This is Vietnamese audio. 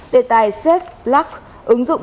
đề tài safeblock ứng dụng